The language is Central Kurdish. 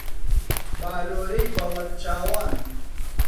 بالۆرەی بەڵەک چاوان